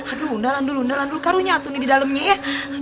aduh undal undal karunya atu di dalamnya ya